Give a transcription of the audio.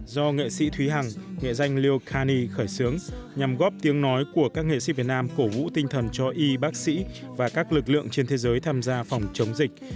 do nghệ sĩ thúy hằng nghệ danh liu kani khởi xướng nhằm góp tiếng nói của các nghệ sĩ việt nam cổ vũ tinh thần cho y bác sĩ và các lực lượng trên thế giới tham gia phòng chống dịch